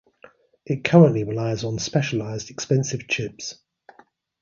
It currently relies on specialised expensive chips.